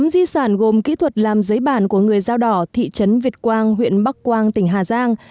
tám di sản gồm kỹ thuật làm giấy bản của người dao đỏ thị trấn việt quang huyện bắc quang tỉnh hà giang